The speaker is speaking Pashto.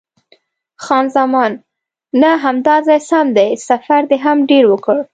خان زمان: نه، همدا ځای سم دی، سفر دې هم ډېر وکړ.